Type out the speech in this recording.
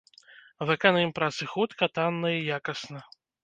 Выканаем працы хутка, танна і якасна.